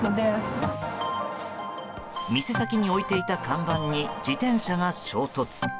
店先に置いていた看板に自転車が衝突。